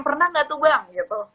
pernah gak tuh bang